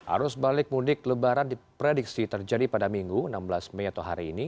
arus balik mudik lebaran diprediksi terjadi pada minggu enam belas mei atau hari ini